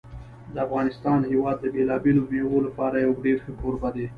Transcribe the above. د افغانستان هېواد د بېلابېلو مېوو لپاره یو ډېر ښه کوربه دی.